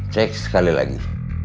cek sekali lagi